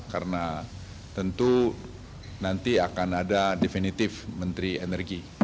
karena tentu nanti akan ada definitif menteri energi